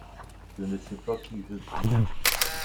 il ne sait pas qui je suis.